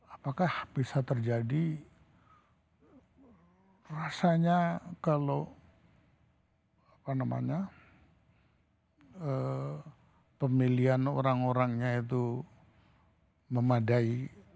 apakah bisa terjadi rasanya kalau pemilihan orang orangnya itu memadai